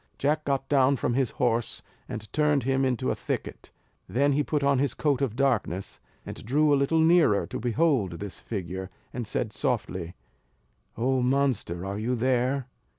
Jack got down from his horse, and turned him into a thicket; then he put on his coat of darkness, and drew a little nearer to behold this figure, and said softly: "Oh, monster! are you there?